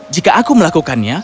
jika aku melakukannya